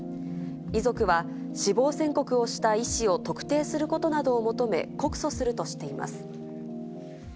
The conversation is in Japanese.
遺族は、死亡宣告をした医師を特定することなどを求め、告訴するとしています。